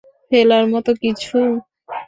ফেলার মত কিছু?